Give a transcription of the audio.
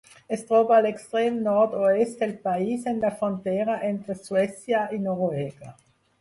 Es troba a l'extrem nord-oest del país en la frontera entre Suècia i Noruega.